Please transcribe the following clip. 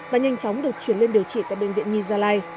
và nhanh chóng được chuyển lên điều trị tại bệnh viện nhi gia lai